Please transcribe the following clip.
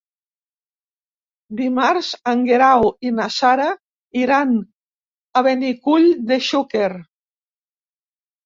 Dimarts en Guerau i na Sara iran a Benicull de Xúquer.